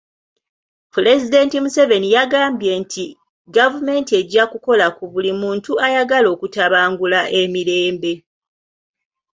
Pulezidenti Museveni yagambye nti gavumenti ejja kukola ku buli muntu ayagala okutabangula emirembe.